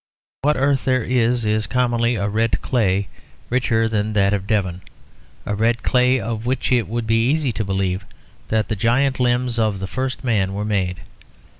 What earth there is is commonly a red clay richer than that of Devon; a red clay of which it would be easy to believe that the giant limbs of the first man were made.